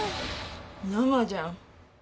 生じゃん。